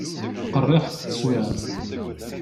Qerriḥet teswiεt.